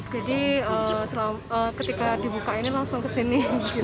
jadi ketika dibuka ini langsung ke sini